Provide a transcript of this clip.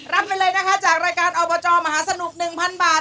รับไปเลยนะคะจากรายการอบจมหาสนุก๑๐๐บาท